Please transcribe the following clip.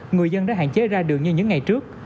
người dân đã hạn chế ra đường như những ngày trước